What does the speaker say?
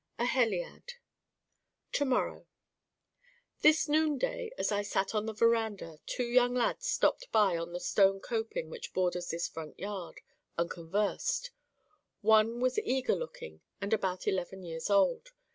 A helliad To morrow This noonday as I sat on the veranda two young lads stopped by the stone coping which borders this front yard, and conversed. One was eager looking and about eleven years old.